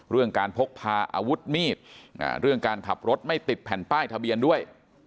เรื่องการพกพาอาวุธมีดเรื่องการขับรถไม่ติดแผ่นป้ายทะเบียนด้วย